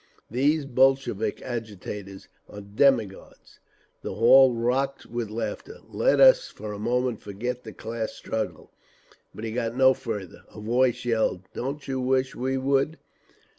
"These Bolshevik agitators are demagogues!" The hall rocked with laughter. "Let us for a moment forget the class struggle—" But he got no farther. A voice yelled, "Don't you wish we would!"